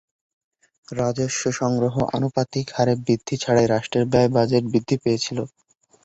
রাজস্ব সংগ্রহ আনুপাতিক হারে বৃদ্ধি ছাড়াই রাষ্ট্রের ব্যয় বাজেট বৃদ্ধি পেয়েছিল।